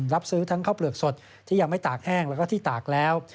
รับซื้อทั้งข้าวเปลือกสดที่ยังไม่ตากแห้งแล้วก็ที่ตากแล้ว